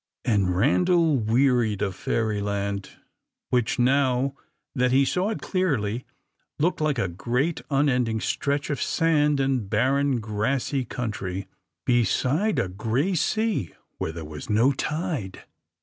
And Randal wearied of Fairyland, which now that he saw it clearly looked like a great unending stretch of sand and barren grassy country, beside a grey sea where there was no tide.